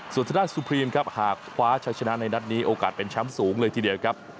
ส่วนทางด้านสุพรีมครับหากคว้าชัยชนะในนัดนี้โอกาสเป็นแชมป์สูงเลยทีเดียวครับ